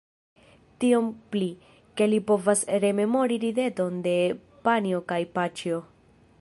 Tiom pli, ke li povas rememori rideton de panjo kaj paĉjo.